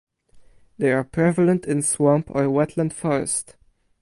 They are prevalent in swamp or wetland forest.